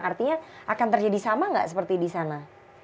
artinya akan terjadi sama nggak seperti di sana